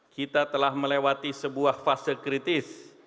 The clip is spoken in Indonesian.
kita telah melewati sebuah fase kritis